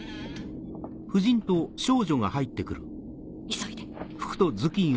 ・急いで。